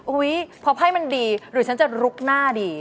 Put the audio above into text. อุ๊ยพอไพ่มันดีหรือฉันจะลุกหน้าดี